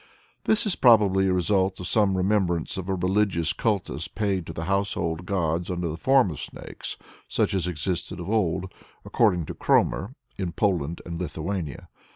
This is probably a result of some remembrance of a religious cultus paid to the household gods under the form of snakes, such as existed of old, according to Kromer, in Poland and Lithuania.